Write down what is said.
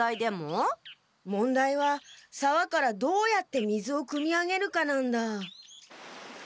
もんだいはさわからどうやって水をくみあげるかなんだ。